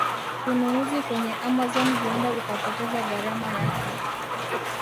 Ununuzi kwenye Amazon huenda ukapoteza gharama yake